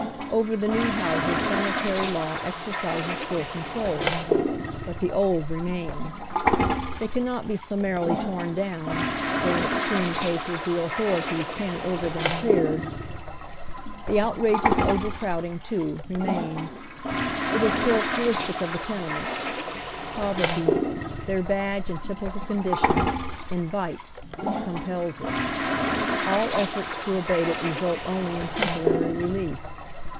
Over the new houses sanitary law exercises full controh But the old remain. They cannot be summarily torn down, tiiough in extreme cases the authorities can order them cleared. Tiie outrageous over ci'owding, too, remains. It is characteristic of the tene ments. Poverty, their badge and typical condition, in vites — compels it. All efforts to abate it result only in temporary relief.